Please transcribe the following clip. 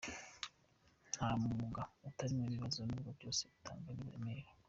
Nta mwuga utabamo ibibazo nubwo byose bitanganya uburemere.